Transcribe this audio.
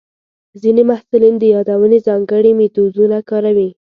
ځینې محصلین د یادونې ځانګړي میتودونه کاروي.